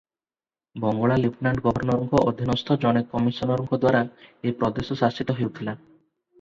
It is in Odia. ବଙ୍ଗଳା ଲେଫ୍ଟନାଣ୍ଟ ଗଭର୍ନରଙ୍କର ଅଧୀନସ୍ଥ ଜଣେ କମିଶନରଙ୍କଦ୍ୱାରା ଏ ପ୍ରଦେଶ ଶାସିତ ହେଉଥିଲା ।